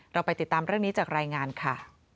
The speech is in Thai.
เราไปติดตามเรื่องนี้จากรายงานค่ะ